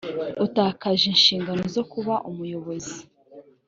utakaje inshingano zo kuba umuyobozi